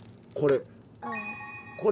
これ。